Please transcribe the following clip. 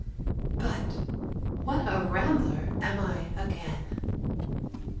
_ But, what a rambler am I again!